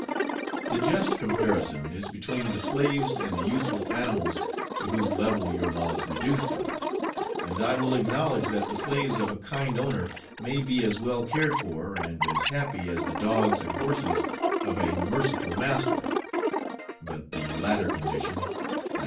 The just comparison is between the slaves and the useful animals to whose level your laws reduce them; and I will acknowledge that the slaves of a kind owner may be as well cared for, and as happy, as the dogs and horses of a merciful master; but the latter condition i.